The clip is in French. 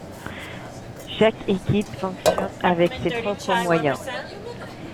Chaque équipe fonctionne avec ses propres moyens.